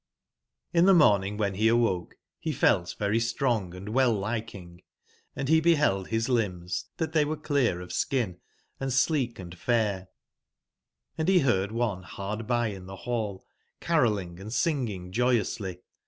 |]V the morning when he awoke he felt very strong andwell/lihing;& he beheld his limbs that they were clear of skin and sleek and fair ; and he heard one hard by in the hall carolling and singing joyously.